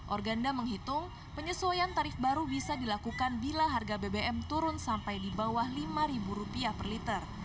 organda menghitung penyesuaian tarif baru bisa dilakukan bila harga bbm turun sampai di bawah rp lima per liter